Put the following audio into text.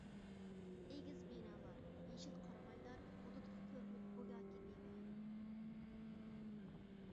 ئېگىز بىنالار، يېشىل قارىغايلار بۇلۇتقا كۆرۈنۈپ گوياكى دىۋە.